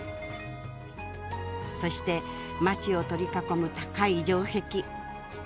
そして街を取り囲む高い城壁。